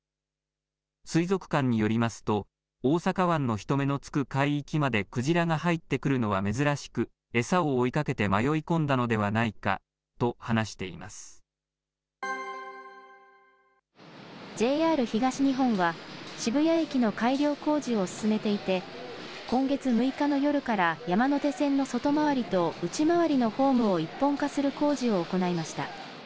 水族館によりますと、大阪湾の人目のつく海域まで鯨が入ってくるのは珍しく、餌を追いかけて迷い込んだのではないかと話していまＪＲ東日本は、渋谷駅の改良工事を進めていて、今月６日の夜から、山手線の外回りと内回りのホームを一本化する工事を行いました。